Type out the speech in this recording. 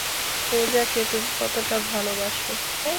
পুজাকে তুমি কতটা ভালোবাসো?